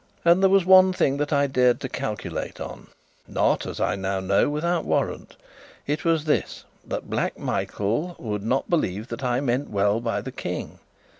And there was one thing that I dared to calculate on not, as I now know, without warrant. It was this that Black Michael would not believe that I meant well by the King.